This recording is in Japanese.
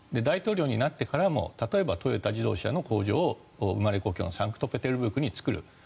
大統領になってからも例えばトヨタ自動車の工場を生まれ故郷のサンクトペテルブルクに作る。